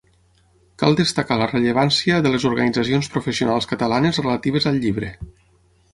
Cal destacar la rellevància de les organitzacions professionals catalanes relatives al llibre.